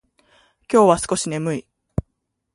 今日は少し眠い。